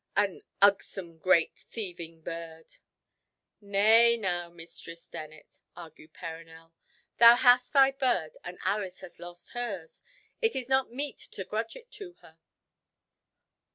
An ugsome great thieving bird!" "Nay now, Mistress Dennet," argued Perronel. "Thou hast thy bird, and Alice has lost hers. It is not meet to grudge it to her."